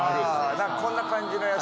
なんかこんな感じのやつ。